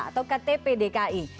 atau ktp dki